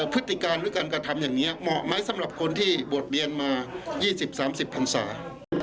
พฤติการหรือการกระทำอย่างนี้เหมาะไหมสำหรับคนที่บวชเรียนมา๒๐๓๐พันศา